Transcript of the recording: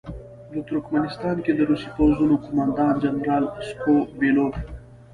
د ترکمنستان کې د روسي پوځونو قوماندان جنرال سکو بیلوف.